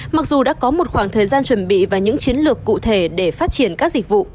mặc dù đã có một khoảng thời gian chuẩn bị và những chiến lược cụ thể để phát triển các dịch vụ